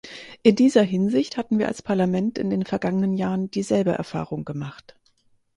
In dieser Hinsicht hatten wir als Parlament in den vergangenen Jahren dieselbe Erfahrung gemacht.